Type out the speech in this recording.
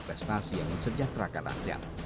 prestasi yang sejahterakan rakyat